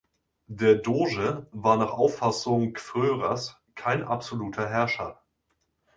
Der Doge war nach Auffassung Gfrörers kein absoluter Herrscher.